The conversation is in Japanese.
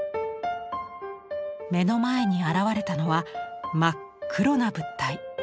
目の前に現れたのは真っ黒な物体。